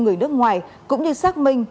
người nước ngoài cũng như xác minh